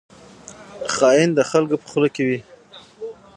خاین د خلکو په خوله کې وي